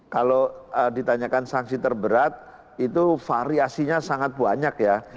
kalau ditanyakan sanksi terberat itu variasinya sangat banyak ya